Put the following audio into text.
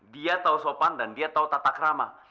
dia tahu sopan dan dia tahu tatak rama